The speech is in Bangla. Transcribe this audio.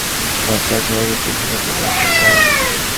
ত্বকের যত্ন নেওয়া শুরু করার প্রথম ধাপটাই হবে রূপ বিশেষজ্ঞের পরামর্শ নেওয়া।